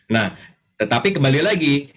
nah tetapi kembali lagi